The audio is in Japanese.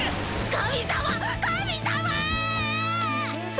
神様！